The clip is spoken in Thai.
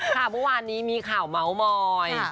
ค่ะวันนี้มีข่าวเม้าหมอย